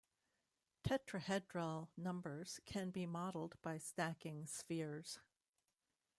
Tetrahedral numbers can be modelled by stacking spheres.